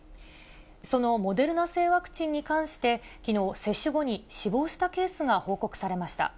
そのモデルナ製ワクチンに関して、きのう、接種後に死亡したケースが報告されました。